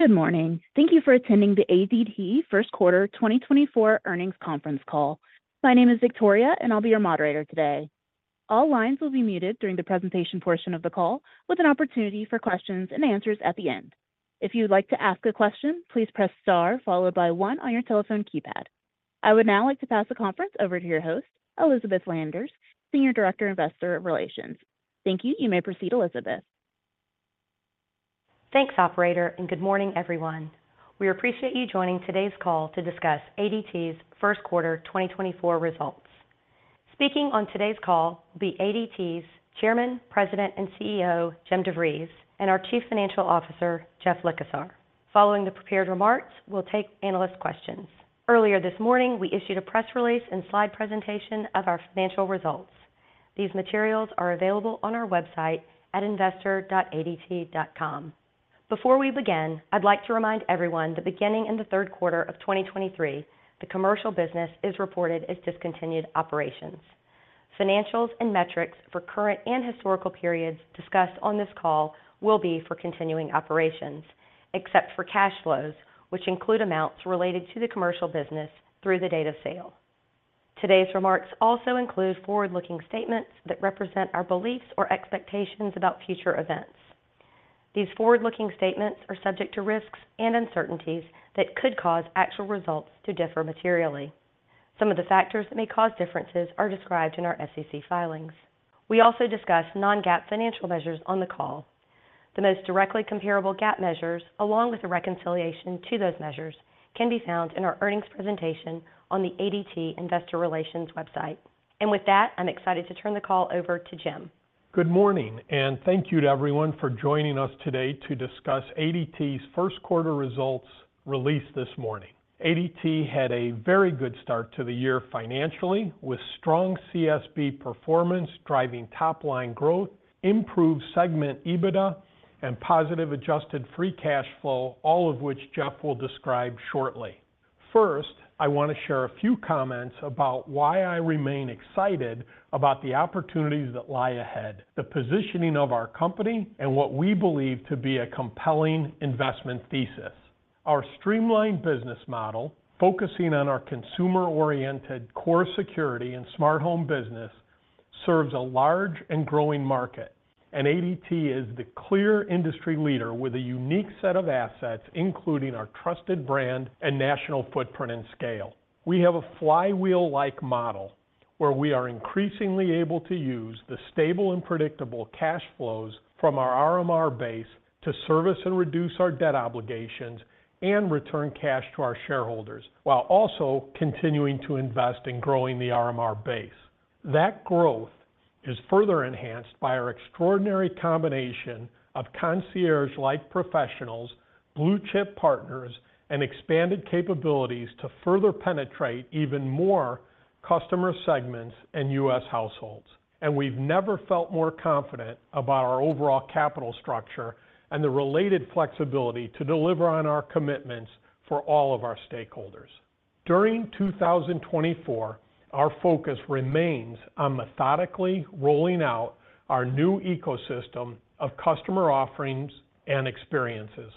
Good morning. Thank you for attending the ADT first quarter 2024 earnings conference call. My name is Victoria, and I'll be your moderator today. All lines will be muted during the presentation portion of the call, with an opportunity for questions-and-answers at the end. If you would like to ask a question, please press star followed by one on your telephone keypad. I would now like to pass the conference over to your host, Elizabeth Landers, Senior Director, Investor Relations. Thank you. You may proceed, Elizabeth. Thanks, operator, and good morning, everyone. We appreciate you joining today's call to discuss ADT's first quarter 2024 results. Speaking on today's call will be ADT's Chairman, President, and CEO, Jim DeVries, and our Chief Financial Officer, Jeff Likosar. Following the prepared remarks, we'll take analyst questions. Earlier this morning, we issued a press release and slide presentation of our financial results. These materials are available on our website at investor.adt.com. Before we begin, I'd like to remind everyone that beginning in the third quarter of 2023, the commercial business is reported as discontinued operations. Financials and metrics for current and historical periods discussed on this call will be for continuing operations, except for cash flows, which include amounts related to the commercial business through the date of sale. Today's remarks also include forward-looking statements that represent our beliefs or expectations about future events. These forward-looking statements are subject to risks and uncertainties that could cause actual results to differ materially. Some of the factors that may cause differences are described in our SEC filings. We also discuss non-GAAP financial measures on the call. The most directly comparable GAAP measures, along with a reconciliation to those measures, can be found in our earnings presentation on the ADT Investor Relations website. With that, I'm excited to turn the call over to Jim. Good morning, and thank you to everyone for joining us today to discuss ADT's first quarter results released this morning. ADT had a very good start to the year financially, with strong CSB performance driving top-line growth, improved segment EBITDA, and positive adjusted free cash flow, all of which Jeff will describe shortly. First, I want to share a few comments about why I remain excited about the opportunities that lie ahead, the positioning of our company, and what we believe to be a compelling investment thesis. Our streamlined business model, focusing on our consumer-oriented core security and smart home business, serves a large and growing market, and ADT is the clear industry leader with a unique set of assets, including our trusted brand and national footprint and scale. We have a flywheel-like model where we are increasingly able to use the stable and predictable cash flows from our RMR base to service and reduce our debt obligations and return cash to our shareholders, while also continuing to invest in growing the RMR base. That growth is further enhanced by our extraordinary combination of concierge-like professionals, blue-chip partners, and expanded capabilities to further penetrate even more customer segments and U.S. households. We've never felt more confident about our overall capital structure and the related flexibility to deliver on our commitments for all of our stakeholders. During 2024, our focus remains on methodically rolling out our new ecosystem of customer offerings and experiences,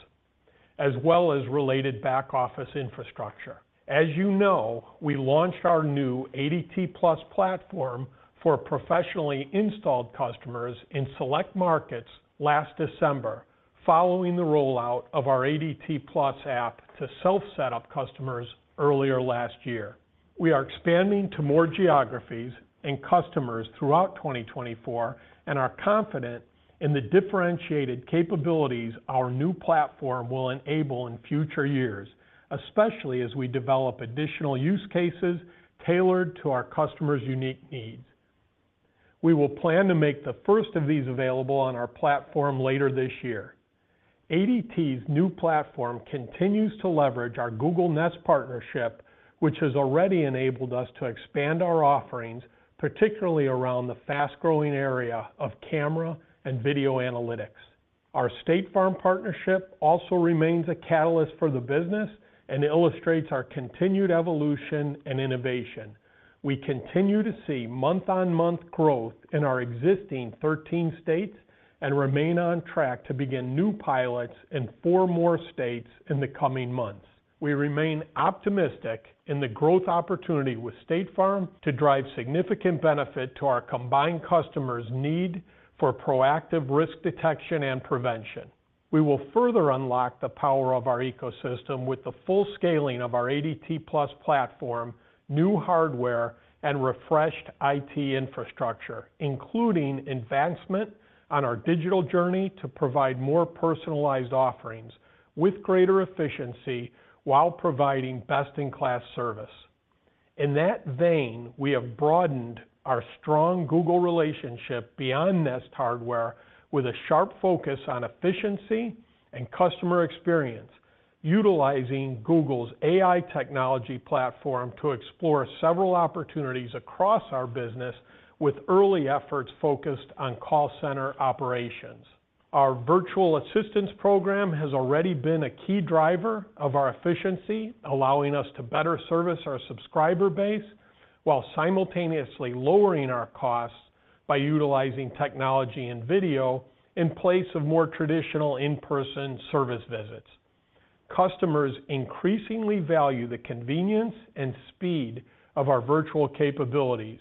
as well as related back-office infrastructure. As you know, we launched our new ADT+ platform for professionally installed customers in select markets last December, following the rollout of our ADT+ app to self-setup customers earlier last year. We are expanding to more geographies and customers throughout 2024 and are confident in the differentiated capabilities our new platform will enable in future years, especially as we develop additional use cases tailored to our customers' unique needs. We will plan to make the first of these available on our platform later this year. ADT's new platform continues to leverage our Google Nest partnership, which has already enabled us to expand our offerings, particularly around the fast-growing area of camera and video analytics. Our State Farm partnership also remains a catalyst for the business and illustrates our continued evolution and innovation. We continue to see month-on-month growth in our existing 13 states and remain on track to begin new pilots in four more states in the coming months. We remain optimistic in the growth opportunity with State Farm to drive significant benefit to our combined customers' need for proactive risk detection and prevention. We will further unlock the power of our ecosystem with the full scaling of our ADT+ platform, new hardware, and refreshed IT infrastructure, including advancement on our digital journey to provide more personalized offerings with greater efficiency while providing best-in-class service. In that vein, we have broadened our strong Google relationship beyond Nest hardware with a sharp focus on efficiency and customer experience, utilizing Google's AI technology platform to explore several opportunities across our business with early efforts focused on call center operations. Our Virtual Assistance program has already been a key driver of our efficiency, allowing us to better service our subscriber base while simultaneously lowering our costs by utilizing technology and video in place of more traditional in-person service visits. Customers increasingly value the convenience and speed of our virtual capabilities,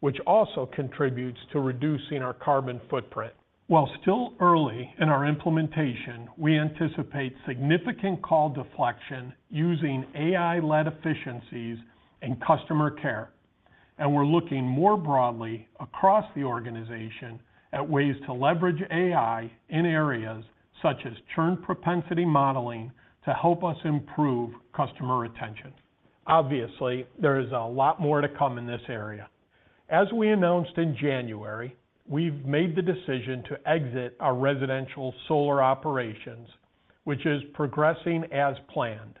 which also contributes to reducing our carbon footprint. While still early in our implementation, we anticipate significant call deflection using AI-led efficiencies and customer care. We're looking more broadly across the organization at ways to leverage AI in areas such as churn propensity modeling to help us improve customer retention. Obviously, there is a lot more to come in this area. As we announced in January, we've made the decision to exit our residential solar operations, which is progressing as planned.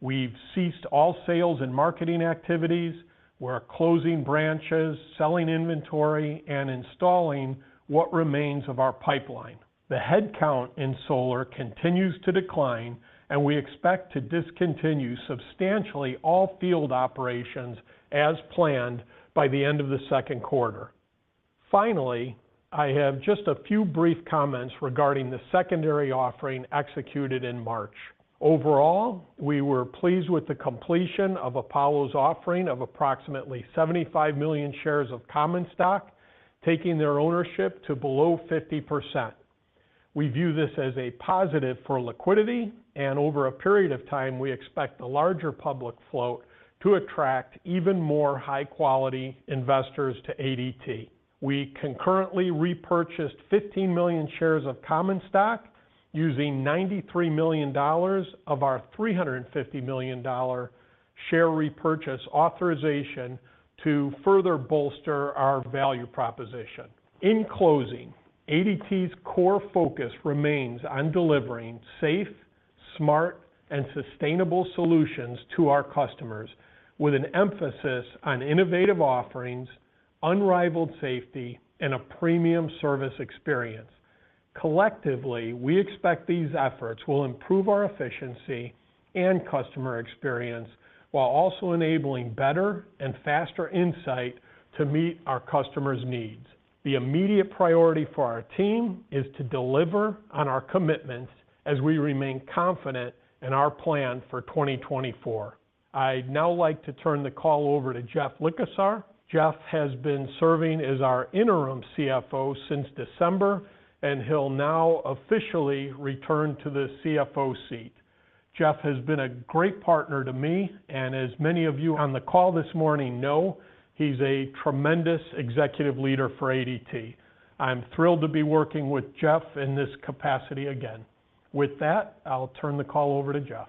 We've ceased all sales and marketing activities. We're closing branches, selling inventory, and installing what remains of our pipeline. The headcount in solar continues to decline, and we expect to discontinue substantially all field operations as planned by the end of the second quarter. Finally, I have just a few brief comments regarding the secondary offering executed in March. Overall, we were pleased with the completion of Apollo's offering of approximately 75 million shares of common stock, taking their ownership to below 50%. We view this as a positive for liquidity, and over a period of time, we expect the larger public float to attract even more high-quality investors to ADT. We concurrently repurchased 15 million shares of common stock, using $93 million of our $350 million share repurchase authorization to further bolster our value proposition. In closing, ADT's core focus remains on delivering safe, smart, and sustainable solutions to our customers, with an emphasis on innovative offerings, unrivaled safety, and a premium service experience. Collectively, we expect these efforts will improve our efficiency and customer experience while also enabling better and faster insight to meet our customers' needs. The immediate priority for our team is to deliver on our commitments as we remain confident in our plan for 2024. I'd now like to turn the call over to Jeff Likosar. Jeff has been serving as our interim CFO since December, and he'll now officially return to the CFO seat. Jeff has been a great partner to me, and as many of you on the call this morning know, he's a tremendous executive leader for ADT. I'm thrilled to be working with Jeff in this capacity again. With that, I'll turn the call over to Jeff.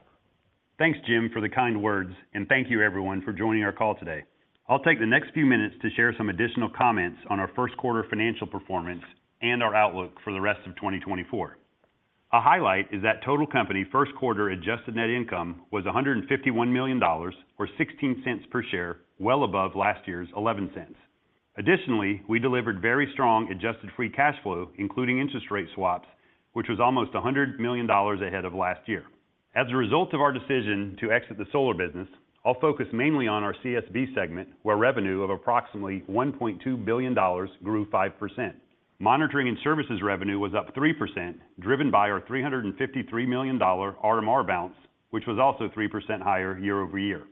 Thanks, Jim, for the kind words, and thank you, everyone, for joining our call today. I'll take the next few minutes to share some additional comments on our first quarter financial performance and our outlook for the rest of 2024. A highlight is that total company first quarter adjusted net income was $151 million or $0.16 per share, well above last year's $0.11. Additionally, we delivered very strong adjusted free cash flow, including interest rate swaps, which was almost $100 million ahead of last year. As a result of our decision to exit the solar business, I'll focus mainly on our CSB segment, where revenue of approximately $1.2 billion grew 5%. Monitoring and services revenue was up 3%, driven by our $353 million RMR balance, which was also 3% higher year-over-year.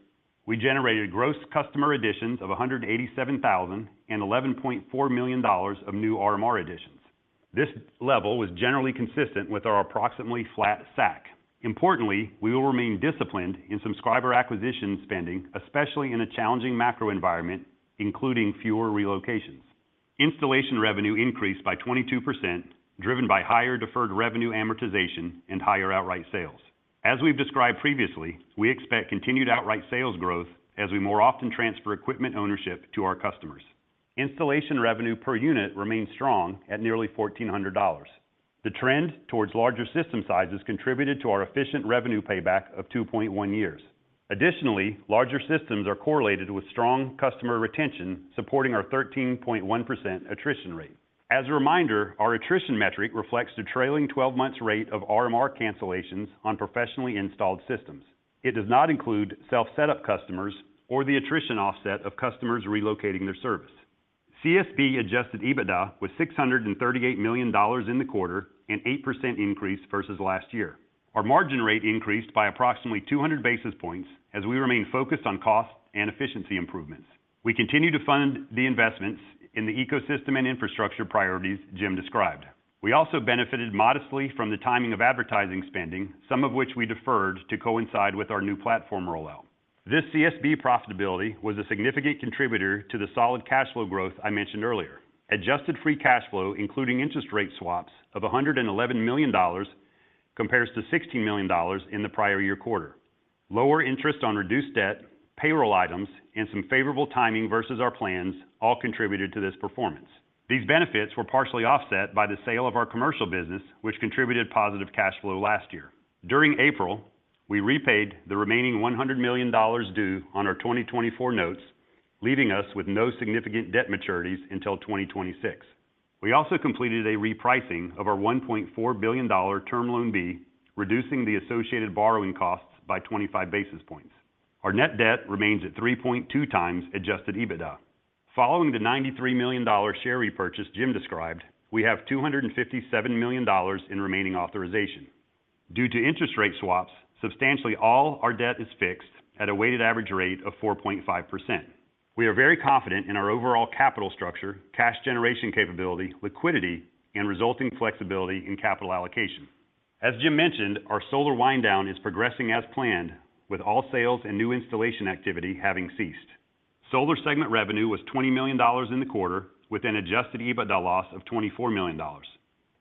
We generated gross customer additions of 187,000 and $11.4 million of new RMR additions. This level was generally consistent with our approximately flat SAC. Importantly, we will remain disciplined in subscriber acquisition spending, especially in a challenging macro environment, including fewer relocations. Installation revenue increased by 22%, driven by higher deferred revenue amortization and higher outright sales. As we've described previously, we expect continued outright sales growth as we more often transfer equipment ownership to our customers. Installation revenue per unit remained strong at nearly $1,400. The trend towards larger system sizes contributed to our efficient revenue payback of 2.1 years. Additionally, larger systems are correlated with strong customer retention, supporting our 13.1% attrition rate. As a reminder, our attrition metric reflects the trailing 12-month rate of RMR cancellations on professionally installed systems. It does not include self-set up customers or the attrition offset of customers relocating their service. CSB adjusted EBITDA was $638 million in the quarter, an 8% increase versus last year. Our margin rate increased by approximately 200 basis points as we remain focused on cost and efficiency improvements. We continue to fund the investments in the ecosystem and infrastructure priorities Jim described. We also benefited modestly from the timing of advertising spending, some of which we deferred to coincide with our new platform rollout. This CSB profitability was a significant contributor to the solid cash flow growth I mentioned earlier. Adjusted free cash flow, including interest rate swaps, of $111 million compares to $16 million in the prior year quarter. Lower interest on reduced debt, payroll items, and some favorable timing versus our plans all contributed to this performance. These benefits were partially offset by the sale of our commercial business, which contributed positive cash flow last year. During April, we repaid the remaining $100 million due on our 2024 notes, leaving us with no significant debt maturities until 2026. We also completed a repricing of our $1.4 billion Term Loan B, reducing the associated borrowing costs by 25 basis points. Our net debt remains at 3.2x adjusted EBITDA. Following the $93 million share repurchase Jim described, we have $257 million in remaining authorization. Due to interest rate swaps, substantially all our debt is fixed at a weighted average rate of 4.5%. We are very confident in our overall capital structure, cash generation capability, liquidity, and resulting flexibility in capital allocation. As Jim mentioned, our solar winddown is progressing as planned, with all sales and new installation activity having ceased. Solar segment revenue was $20 million in the quarter, with an adjusted EBITDA loss of $24 million.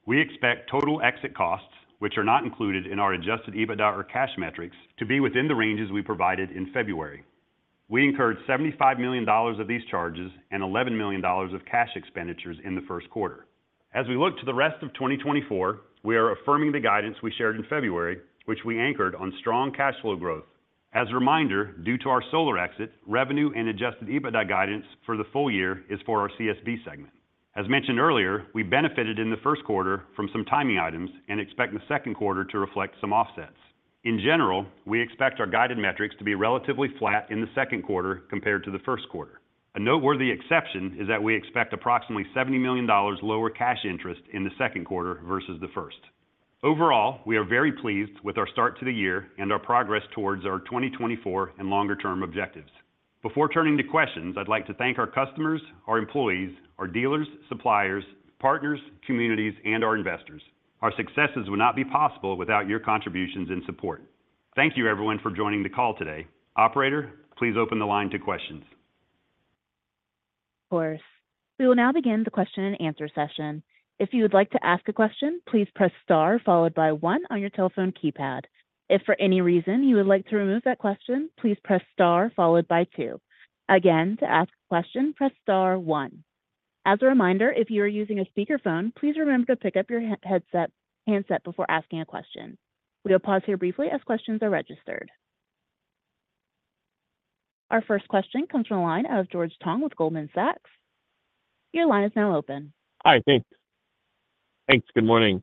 We expect total exit costs, which are not included in our adjusted EBITDA or cash metrics, to be within the ranges we provided in February. We incurred $75 million of these charges and $11 million of cash expenditures in the first quarter. As we look to the rest of 2024, we are affirming the guidance we shared in February, which we anchored on strong cash flow growth. As a reminder, due to our solar exit, revenue and adjusted EBITDA guidance for the full year is for our CSB segment. As mentioned earlier, we benefited in the first quarter from some timing items and expect the second quarter to reflect some offsets. In general, we expect our guided metrics to be relatively flat in the second quarter compared to the first quarter. A noteworthy exception is that we expect approximately $70 million lower cash interest in the second quarter versus the first. Overall, we are very pleased with our start to the year and our progress towards our 2024 and longer term objectives. Before turning to questions, I'd like to thank our customers, our employees, our dealers, suppliers, partners, communities, and our investors. Our successes would not be possible without your contributions and support. Thank you, everyone, for joining the call today. Operator, please open the line to questions. Of course. We will now begin the question-and-answer session. If you would like to ask a question, please press star followed by one on your telephone keypad. If for any reason you would like to remove that question, please press star followed by two. Again, to ask a question, press star one. As a reminder, if you are using a speakerphone, please remember to pick up your handset before asking a question. We will pause here briefly as questions are registered. Our first question comes from a line out of George Tong with Goldman Sachs. Your line is now open. Hi, thanks. Thanks. Good morning.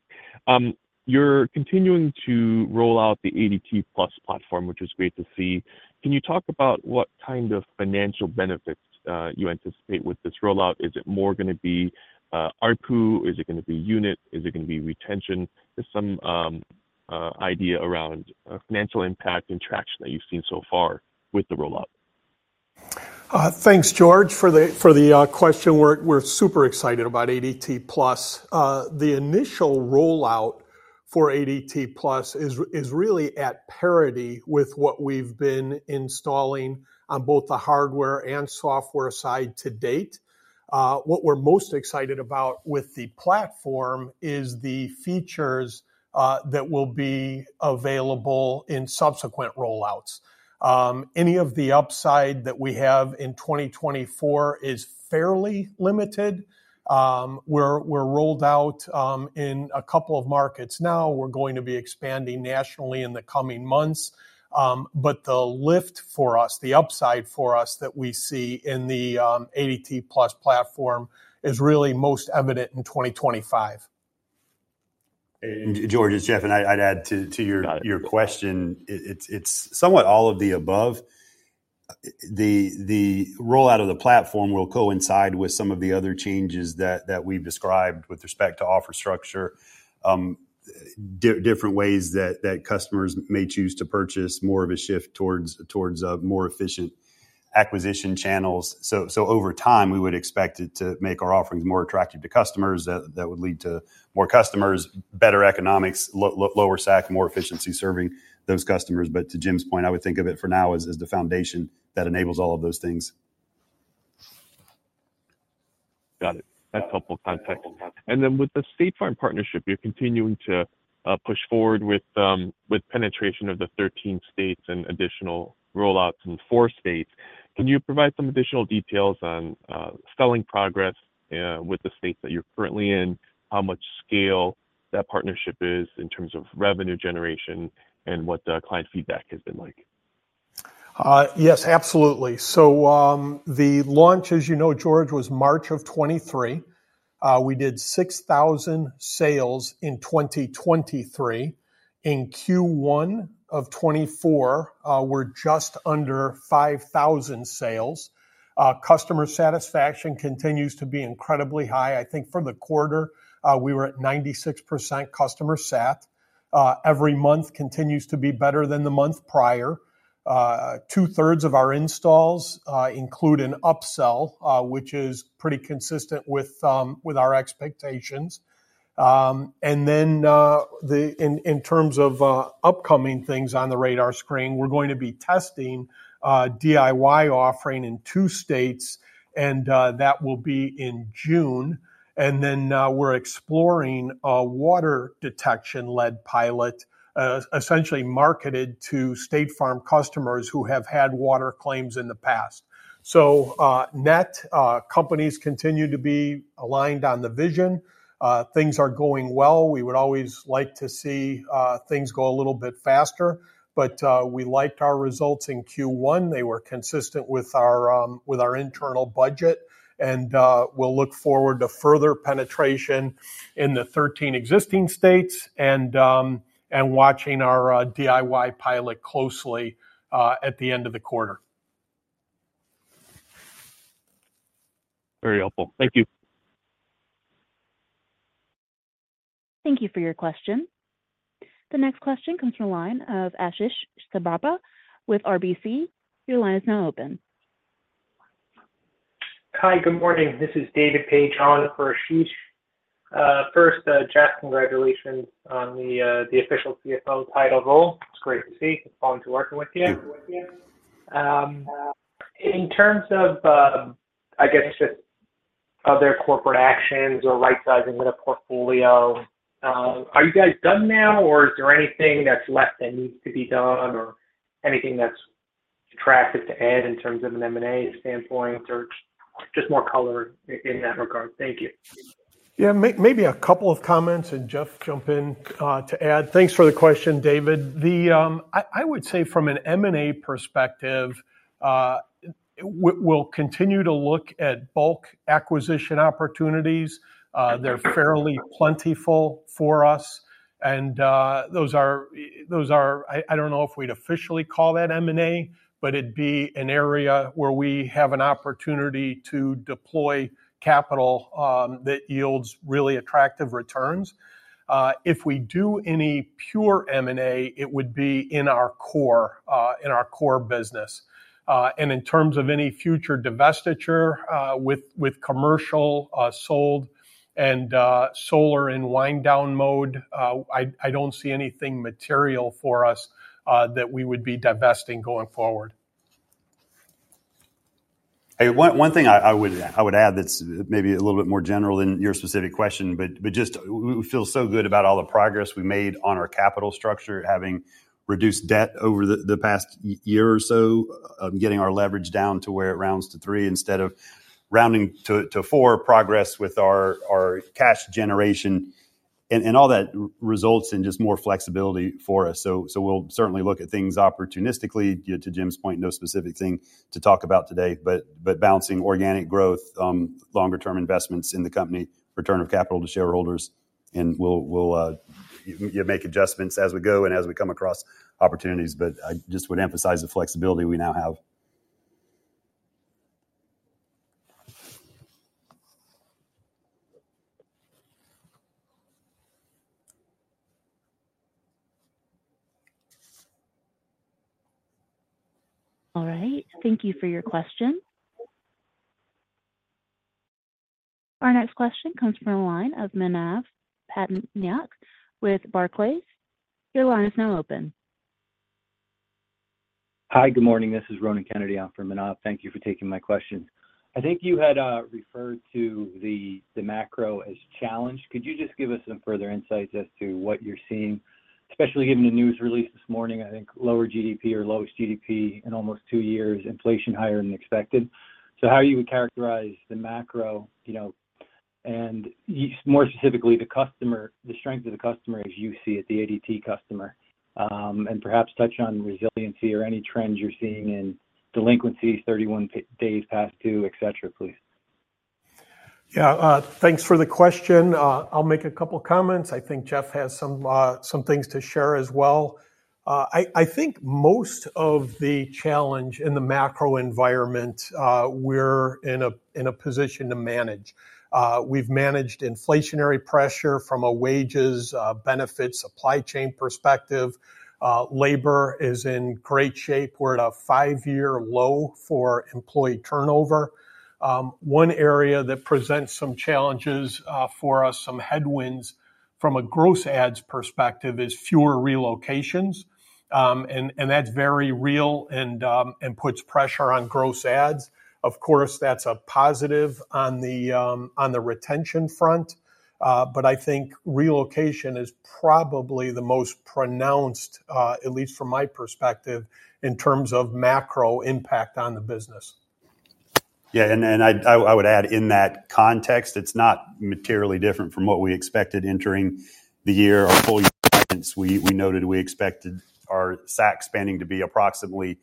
You're continuing to roll out the ADT+ platform, which is great to see. Can you talk about what kind of financial benefits you anticipate with this rollout? Is it more going to be ARPU? Is it going to be unit? Is it going to be retention? Just some idea around financial impact and traction that you've seen so far with the rollout. Thanks, George, for the question. We're super excited about ADT+. The initial rollout for ADT+ is really at parity with what we've been installing on both the hardware and software side to date. What we're most excited about with the platform is the features that will be available in subsequent rollouts. Any of the upside that we have in 2024 is fairly limited. We're rolled out in a couple of markets now. We're going to be expanding nationally in the coming months. But the lift for us, the upside for us that we see in the ADT+ platform is really most evident in 2025. And George, as Jeff, and I'd add to your question, it's somewhat all of the above. The rollout of the platform will coincide with some of the other changes that we've described with respect to offer structure, different ways that customers may choose to purchase, more of a shift towards more efficient acquisition channels. So over time, we would expect it to make our offerings more attractive to customers that would lead to more customers, better economics, lower SAC, more efficiency serving those customers. But to Jim's point, I would think of it for now as the foundation that enables all of those things. Got it. That's helpful context. And then with the State Farm partnership, you're continuing to push forward with penetration of the 13 states and additional rollouts in four states. Can you provide some additional details on selling progress with the states that you're currently in, how much scale that partnership is in terms of revenue generation, and what the client feedback has been like? Yes, absolutely. So the launch, as you know, George, was March of 2023. We did 6,000 sales in 2023. In Q1 of 2024, we're just under 5,000 sales. Customer satisfaction continues to be incredibly high. I think for the quarter, we were at 96% Customer Sat. Every month continues to be better than the month prior. 2/3 of our installs include an upsell, which is pretty consistent with our expectations. And then in terms of upcoming things on the radar screen, we're going to be testing DIY offering in two states, and that will be in June. And then we're exploring a water detection-led pilot, essentially marketed to State Farm customers who have had water claims in the past. So net, companies continue to be aligned on the vision. Things are going well. We would always like to see things go a little bit faster. But we liked our results in Q1. They were consistent with our internal budget. And we'll look forward to further penetration in the 13 existing states and watching our DIY pilot closely at the end of the quarter. Very helpful. Thank you. Thank you for your question. The next question comes from a line of Ashish Sabadra with RBC. Your line is now open. Hi, good morning. This is David Paige on for Ashish. First, Jeff, congratulations on the official CFO title role. It's great to see. It's fun working with you. In terms of, I guess, just other corporate actions or right-sizing of the portfolio, are you guys done now, or is there anything that's left that needs to be done or anything that's attractive to add in terms of an M&A standpoint or just more color in that regard? Thank you. Yeah, maybe a couple of comments, and Jeff, jump in to add. Thanks for the question, David. I would say from an M&A perspective, we'll continue to look at bulk acquisition opportunities. They're fairly plentiful for us. And those are I don't know if we'd officially call that M&A, but it'd be an area where we have an opportunity to deploy capital that yields really attractive returns. If we do any pure M&A, it would be in our core business. And in terms of any future divestiture with commercial sold and solar in winddown mode, I don't see anything material for us that we would be divesting going forward. Hey, one thing I would add that's maybe a little bit more general than your specific question, but just we feel so good about all the progress we made on our capital structure, having reduced debt over the past year or so, getting our leverage down to where it rounds to three instead of rounding to four, progress with our cash generation, and all that results in just more flexibility for us. So we'll certainly look at things opportunistically. To Jim's point, no specific thing to talk about today, but balancing organic growth, longer-term investments in the company, return of capital to shareholders, and we'll make adjustments as we go and as we come across opportunities. But I just would emphasize the flexibility we now have. All right. Thank you for your question. Our next question comes from a line of Manav Patnaik with Barclays. Your line is now open. Hi, good morning. This is Ronan Kennedy. I'm from Manav. Thank you for taking my questions. I think you had referred to the macro as challenge. Could you just give us some further insights as to what you're seeing, especially given the news release this morning? I think lower GDP or lowest GDP in almost two years, inflation higher than expected. So how you would characterize the macro and more specifically the strength of the customer as you see it, the ADT customer, and perhaps touch on resiliency or any trends you're seeing in delinquencies, 31 days past due, etc., please. Yeah, thanks for the question. I'll make a couple of comments. I think Jeff has some things to share as well. I think most of the challenge in the macro environment, we're in a position to manage. We've managed inflationary pressure from a wages, benefits, supply chain perspective. Labor is in great shape. We're at a five-year low for employee turnover. One area that presents some challenges for us, some headwinds from a gross adds perspective, is fewer relocations. And that's very real and puts pressure on gross adds. Of course, that's a positive on the retention front. But I think relocation is probably the most pronounced, at least from my perspective, in terms of macro impact on the business. Yeah, and I would add in that context, it's not materially different from what we expected entering the year, our full year guidance. We noted we expected our SAC spending to be approximately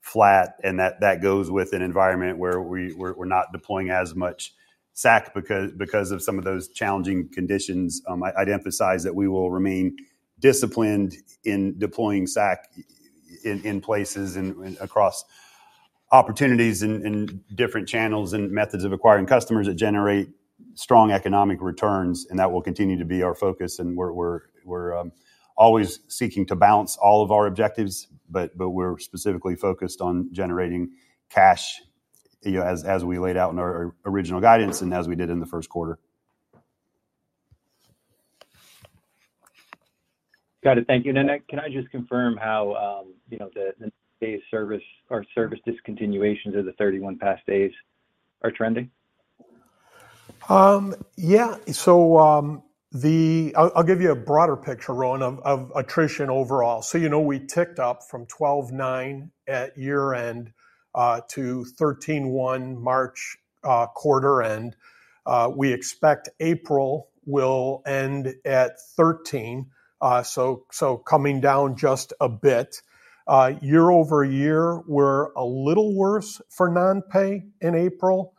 flat, and that goes with an environment where we're not deploying as much SAC because of some of those challenging conditions. I'd emphasize that we will remain disciplined in deploying SAC in places and across opportunities and different channels and methods of acquiring customers that generate strong economic returns. And that will continue to be our focus. And we're always seeking to balance all of our objectives, but we're specifically focused on generating cash as we laid out in our original guidance and as we did in the first quarter. Got it. Thank you. And then can I just confirm how the day-of-service or service discontinuations of the past 31 days are trending? Yeah. So I'll give you a broader picture, Ron, of attrition overall. So we ticked up from 12.9 at year-end to 13.1 March quarter-end. We expect April will end at 13, so coming down just a bit. Year-over-year, we're a little worse for non-pay in April,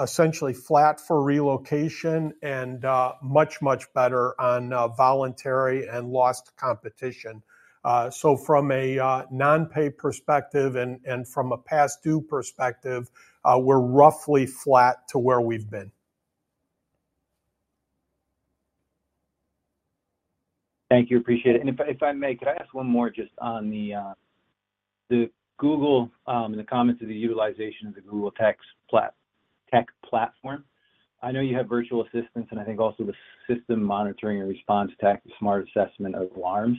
essentially flat for relocation, and much, much better on voluntary and lost competition. So from a non-pay perspective and from a past-due perspective, we're roughly flat to where we've been. Thank you. Appreciate it. And if I may, could I ask one more just on the Google and the comments of the utilization of the Google Tech Platform? I know you have virtual assistance and I think also the system monitoring and response tactics, smart assessment of alarms.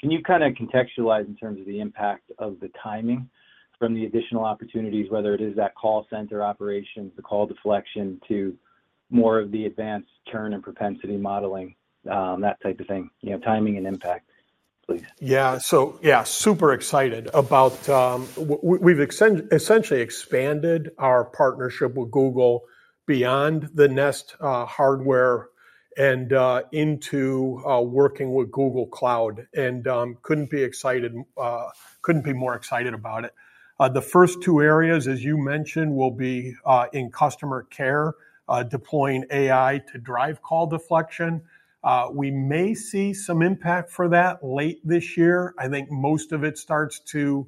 Can you kind of contextualize in terms of the impact of the timing from the additional opportunities, whether it is that call center operations, the call deflection, to more of the advanced churn and propensity modeling, that type of thing? Timing and impact, please. Yeah. So yeah, super excited about we've essentially expanded our partnership with Google beyond the Nest hardware and into working with Google Cloud and couldn't be more excited about it. The first two areas, as you mentioned, will be in customer care, deploying AI to drive call deflection. We may see some impact for that late this year. I think most of it starts to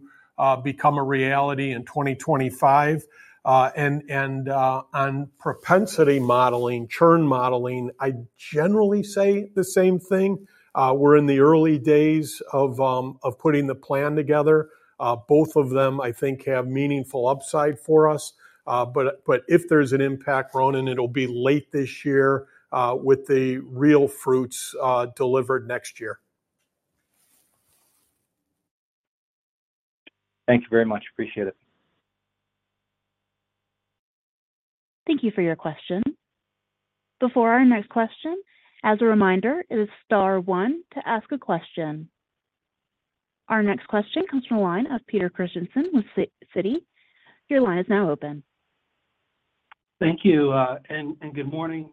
become a reality in 2025. And on propensity modeling, churn modeling, I generally say the same thing. We're in the early days of putting the plan together. Both of them, I think, have meaningful upside for us. But if there's an impact, Ron, and it'll be late this year with the real fruits delivered next year. Thank you very much. Appreciate it. Thank you for your question. Before our next question, as a reminder, it is star one to ask a question. Our next question comes from a line of Peter Christiansen with Citi. Your line is now open. Thank you. Good morning.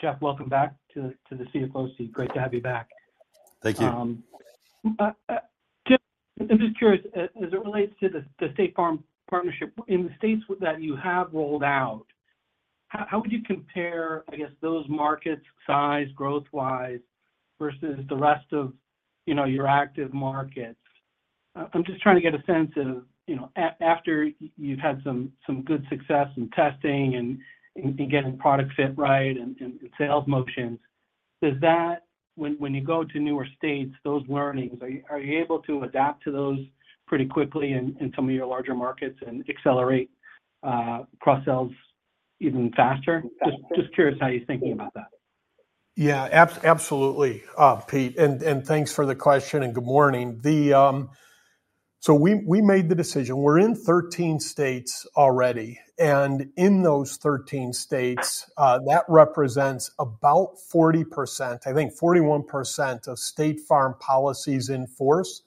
Jeff, welcome back to the CFO. Great to have you back. Thank you. Jeff, I'm just curious, as it relates to the State Farm partnership, in the states that you have rolled out, how would you compare, I guess, those markets' size, growth-wise, versus the rest of your active markets? I'm just trying to get a sense of after you've had some good success in testing and getting product fit right and sales motions, when you go to newer states, those learnings, are you able to adapt to those pretty quickly in some of your larger markets and accelerate cross-sales even faster? Just curious how you're thinking about that. Yeah, absolutely, Pete. And thanks for the question and good morning. So we made the decision. We're in 13 states already. And in those 13 states, that represents about 40%, I think 41%, of State Farm policies in force.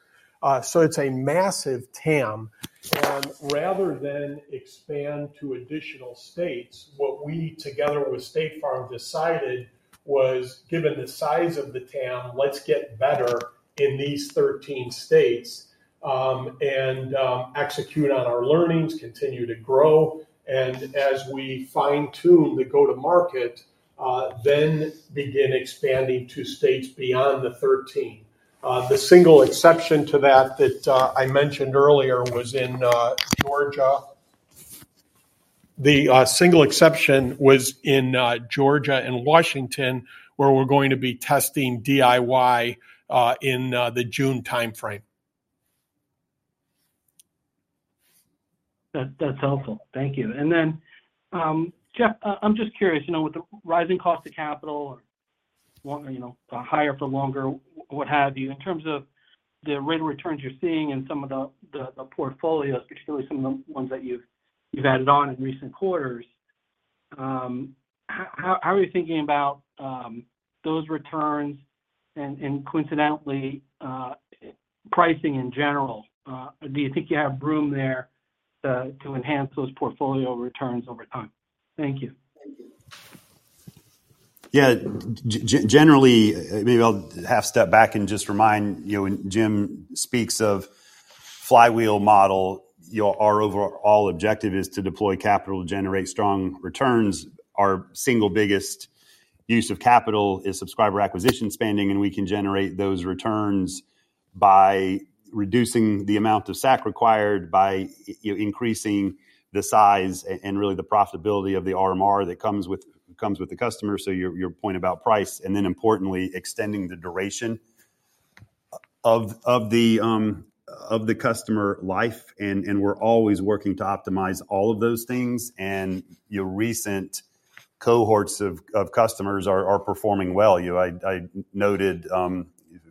So it's a massive TAM. And rather than expand to additional states, what we together with State Farm decided was, given the size of the TAM, let's get better in these 13 states and execute on our learnings, continue to grow. And as we fine-tune the go-to-market, then begin expanding to states beyond the 13. The single exception to that that I mentioned earlier was in Georgia. The single exception was in Georgia and Washington where we're going to be testing DIY in the June timeframe. That's helpful. Thank you. And then, Jeff, I'm just curious, with the rising cost of capital or higher for longer, what have you, in terms of the rate of returns you're seeing in some of the portfolios, particularly some of the ones that you've added on in recent quarters, how are you thinking about those returns and, coincidentally, pricing in general? Do you think you have room there to enhance those portfolio returns over time? Thank you. Thank you. Yeah. Generally, maybe I'll half-step back and just remind, when Jim speaks of flywheel model, our overall objective is to deploy capital, generate strong returns. Our single biggest use of capital is subscriber acquisition spending, and we can generate those returns by reducing the amount of SAC required, by increasing the size and really the profitability of the RMR that comes with the customer. So your point about price, and then importantly, extending the duration of the customer life. And we're always working to optimize all of those things. And recent cohorts of customers are performing well. I noted,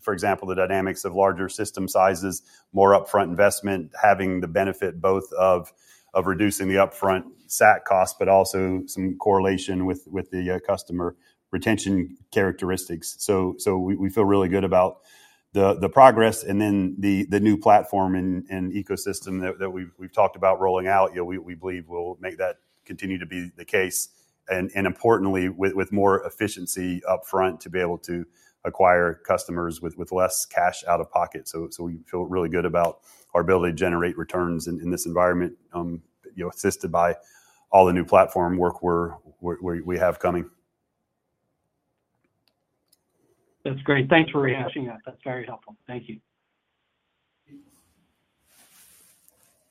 for example, the dynamics of larger system sizes, more upfront investment, having the benefit both of reducing the upfront SAC costs, but also some correlation with the customer retention characteristics. So we feel really good about the progress. And then the new platform and ecosystem that we've talked about rolling out, we believe will make that continue to be the case. And importantly, with more efficiency upfront to be able to acquire customers with less cash out of pocket. So we feel really good about our ability to generate returns in this environment assisted by all the new platform work we have coming. That's great. Thanks for rehashing that. That's very helpful. Thank you.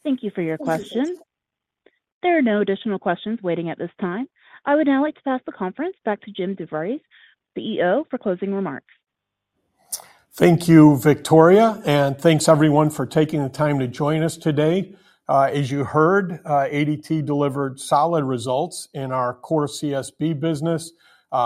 Thank you for your question. There are no additional questions waiting at this time. I would now like to pass the conference back to Jim DeVries, CEO, for closing remarks. Thank you, Victoria. Thanks, everyone, for taking the time to join us today. As you heard, ADT delivered solid results in our core CSB business.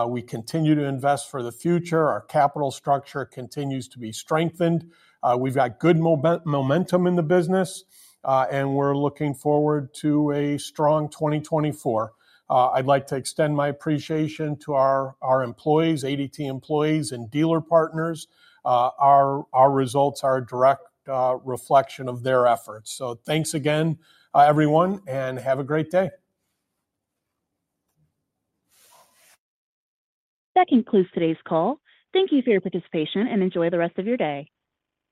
We continue to invest for the future. Our capital structure continues to be strengthened. We've got good momentum in the business, and we're looking forward to a strong 2024. I'd like to extend my appreciation to our employees, ADT employees, and dealer partners. Our results are a direct reflection of their efforts. Thanks again, everyone, and have a great day. That concludes today's call. Thank you for your participation and enjoy the rest of your day.